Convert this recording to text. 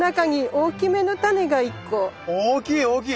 大きい大きい！